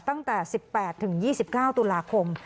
ตั้งแต่๑๘ถึง๒๙ตุลาคม